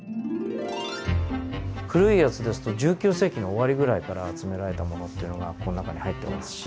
古いやつですと１９世紀の終わりぐらいから集められたものというのがこの中に入ってますし。